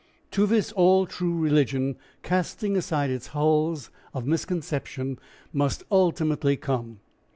To this all true religion, casting aside its hulls of misconception, must ultimately come.